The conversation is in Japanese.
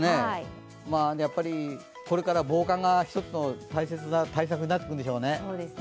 やっぱり、これから防寒が１つの対策になるんでしょうね。